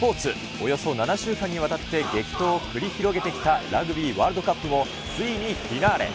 およそ７週間にわたって激闘を繰り広げてきたラグビーワールドカップも、ついにフィナーレ。